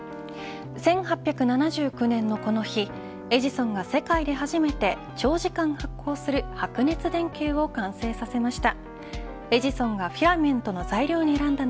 １８７９年のこの日エジソンが世界で初めて長時間発光する白熱電球を完成させました。